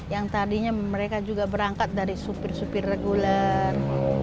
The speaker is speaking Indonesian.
yang tadinya mereka juga berangkat dari supir supir reguler